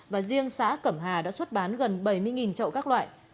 và riêng xã cẩm hà đã xuất bán gần bảy mươi trậu các loại